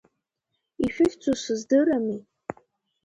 Ишәыхьӡу сыздырамеи?